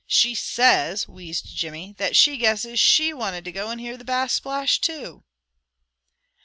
"She says," wheezed Jimmy, "that she guesses SHE wanted to go and hear the Bass splash, too!"